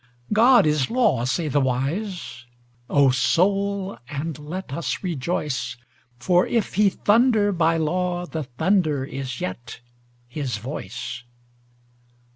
God is law, say the wise; O Soul, and let us rejoice, For if He thunder by law the thunder is yet His voice.